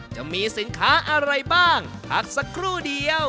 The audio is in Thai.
จะมีสินค้าอะไรบ้างพักสักครู่เดียว